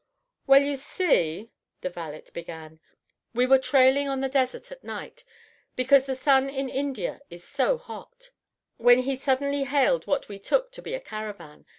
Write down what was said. "Well, you see," the valet began, "we were trailing on the desert at night, because the sun in India is so hot, when he suddenly hailed what we took to be a caravan.